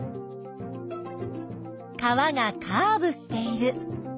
川がカーブしている。